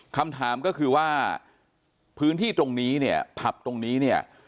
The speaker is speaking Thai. คำถามก็คือว่าพื้นที่ตรงนี้เนี่ยผับตรงนี้เนี่ย